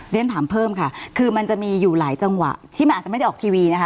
เรียนถามเพิ่มค่ะคือมันจะมีอยู่หลายจังหวะที่มันอาจจะไม่ได้ออกทีวีนะคะ